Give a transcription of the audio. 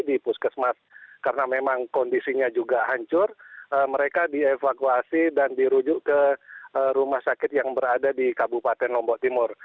di puskesmas karena memang kondisinya juga hancur mereka dievakuasi dan dirujuk ke rumah sakit yang berada di kabupaten lombok timur